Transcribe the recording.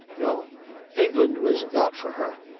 No; England was not for her.